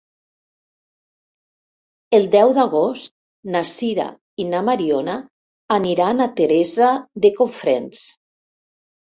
El deu d'agost na Sira i na Mariona aniran a Teresa de Cofrents.